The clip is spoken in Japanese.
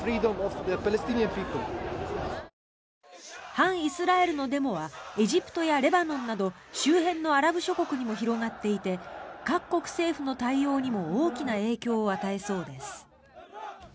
反イスラエルのデモはエジプトやレバノンなど周辺のアラブ諸国にも広がっていて各国政府の対応にも大きな影響を与えそうです。